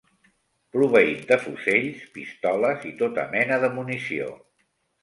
Proveït de fusells, pistoles i tota mena de munició.